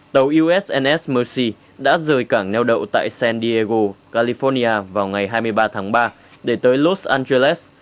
tàu ussns moci đã rời cảng neo đậu tại san diego california vào ngày hai mươi ba tháng ba để tới los angeles